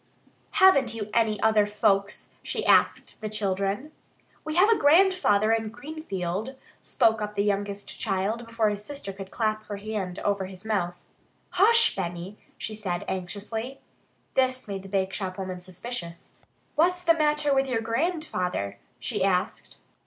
"Haven't you any other folks?" she asked the children. "We have a grandfather in Greenfield," spoke up the youngest child before his sister could clap her hand over his mouth. "Hush, Benny," she said anxiously. This made the bakeshop woman suspicious. "What's the matter with your grandfather?" she asked.